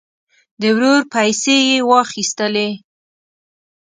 د ورور پیسې یې واخیستلې.